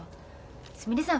すみれさん